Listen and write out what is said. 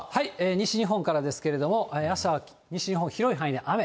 西日本からですけれども、あしたは西日本、広い範囲で雨。